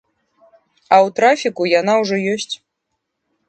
А ў трафіку яна ўжо ёсць.